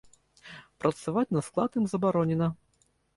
Працаваць на склад ім забаронена.